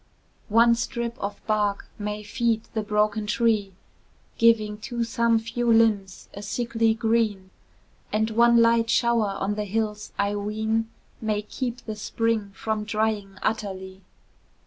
One strip of bark may feed the broken tree, Giving to some few limbs a sickly green; And one light shower on the hills, I ween, May keep the spring from drying utterly.